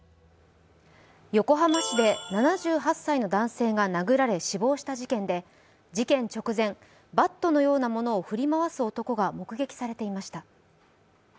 横浜市で７８歳の男性が殴られ死亡した事件で事件直前、バットのようなものを振り回す男が目撃されていました。